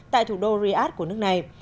tại thủ đô riyadh của nước này